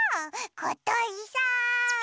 ことりさん。